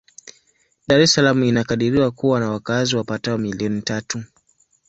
Dar es Salaam inakadiriwa kuwa na wakazi wapatao milioni tatu.